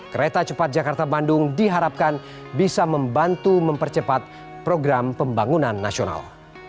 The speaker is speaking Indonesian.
kereta cepat jakarta bandung diharapkan bisa membantu mempercepat program pembangunan nasional